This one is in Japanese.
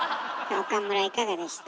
岡村いかがでした？